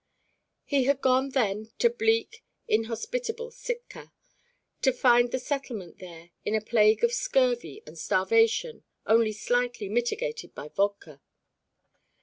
He had gone then to bleak, inhospitable Sitka, to find the settlement there in a plague of scurvy and starvation only slightly mitigated by vodka.